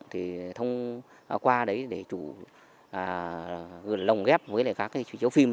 thì qua đấy để chủ lồng ghép với các chủ chủ phim